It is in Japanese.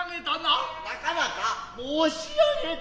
なかなか申上げた。